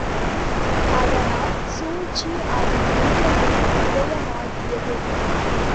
அதனால் சூழ்ச்சி அவன் மூளையில் உதயமாகியது.